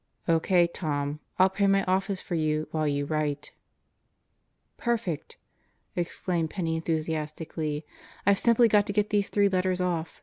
"O.K., Tom. I'll pray my Office for you while you write." "Perfect 1" exclaimed Penney enthusiastically. "IVe simply got to get these three letters off.